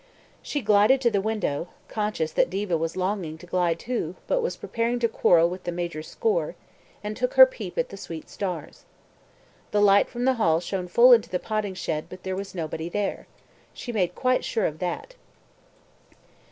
She glided to the window (conscious that Diva was longing to glide too, but was preparing to quarrel with the Major's score) and took her peep at the sweet stars. The light from the hall shone full into the potting shed, but there was nobody there. She made quite sure of that.